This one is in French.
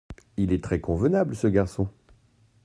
Il est très convenable, ce garçon…